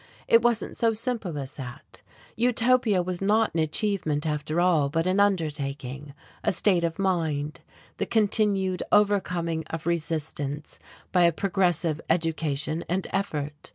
It wasn't so simple as that. Utopia was not an achievement after all, but an undertaking, a state of mind, the continued overcoming of resistance by a progressive education and effort.